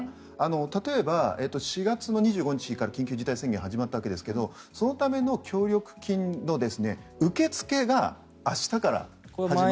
例えば、４月２５日から緊急事態宣言始まったわけですがそのための協力金の受け付けが明日から始まる。